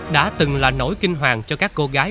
đau đớn thầy